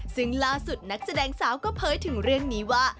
ซึ่งล่าสุดนักแสดงสาวก็เผยถึงเรื่องนี้ว่า